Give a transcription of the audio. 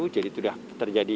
jadi itu sudah terjadi